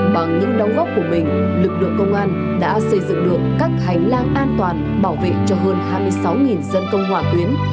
bằng những đóng góp của mình lực lượng công an đã xây dựng được các hành lang an toàn bảo vệ cho hơn hai mươi sáu dân công hỏa tuyến